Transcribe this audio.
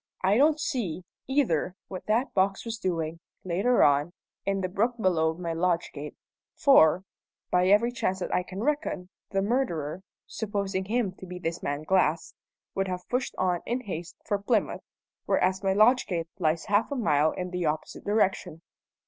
I don't see, either, what that box was doing, later on, in the brook below my lodge gate; for, by every chance that I can reckon, the murderer supposing him to be this man Glass would have pushed on in haste for Plymouth, whereas my lodge gate lies half a mile in the opposite direction."